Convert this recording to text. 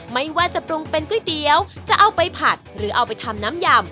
ไม่ว่าจะปรุงเป็นก๋วยเตี๋ยวจะเอาไปผัดหรือเอาไปทำน้ำยำ